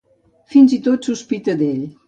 Fins i tot, sospita d’ell.